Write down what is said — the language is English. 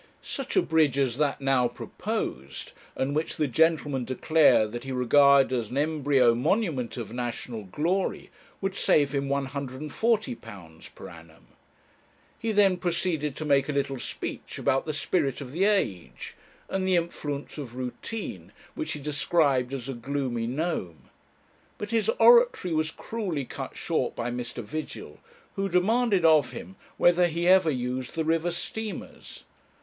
Such a bridge as that now proposed, and which the gentleman declared that he regarded as an embryo monument of national glory, would save him £140 per annum. He then proceeded to make a little speech about the spirit of the age, and the influence of routine, which he described as a gloomy gnome. But his oratory was cruelly cut short by Mr. Vigil, who demanded of him whether he ever used the river steamers.